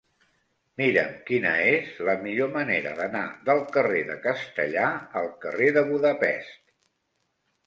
Mira'm quina és la millor manera d'anar del carrer de Castellar al carrer de Budapest.